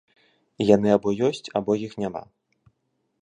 Яны або ёсць, або іх няма.